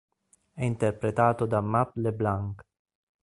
È interpretato da Matt LeBlanc.